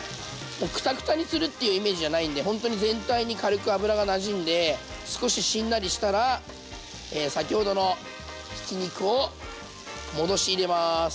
もうくたくたにするっていうイメージじゃないんでほんとに全体に軽く油がなじんで少ししんなりしたら先ほどのひき肉を戻し入れます。